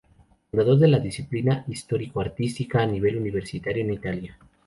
Fundador de la disciplina histórico-artística a nivel universitario en Italia.